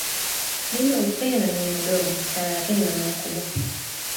Neno upendo ni neno dogo sana lakini lina maana kubwa